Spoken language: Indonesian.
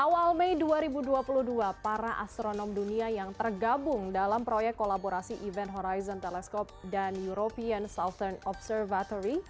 awal mei dua ribu dua puluh dua para astronom dunia yang tergabung dalam proyek kolaborasi event horizon telescope dan european southern observatory